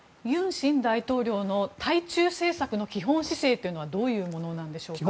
尹新大統領の対中政策の基本姿勢というのはどういうものなんでしょうか。